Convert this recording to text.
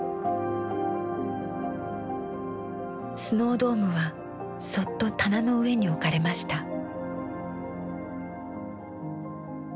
スノードームはそっと棚の上に置かれました。